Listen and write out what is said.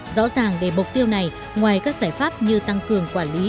rõ ràng để mục tiêu này ngoài các giải pháp như tăng cường quản lý